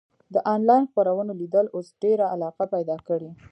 د انلاین خپرونو لیدل اوس ډېره علاقه پیدا کړې.